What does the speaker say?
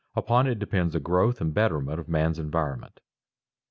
Upon it depends the growth and betterment of man's environment.